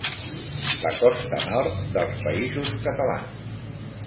La costa nord dels Països Catalans.